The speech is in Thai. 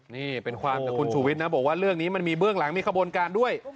นี่เป็นความจากคุณชูวิทย์นะบอกว่าเรื่องนี้มันมีเบื้องหลังมีขบวนการด้วย